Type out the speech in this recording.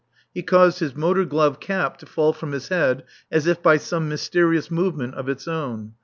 He caused his motor glove cap to fall from his head as if by some mysterious movement of its own.